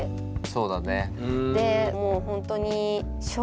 そうだね。